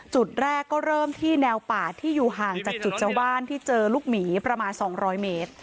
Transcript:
จุดแรกก็เริ่มที่แนวป่าที่อยู่ห่างจากจุดเจ้าบ้านที่เจอลูกหมีประมาณ๒๐๐เมตร